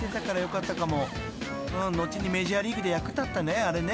［後にメジャーリーグで役立ったねあれね。